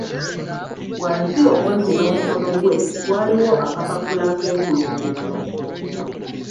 Wansi okumpi n'omukono gwe, waaliwo akapapula akeekulungirivu.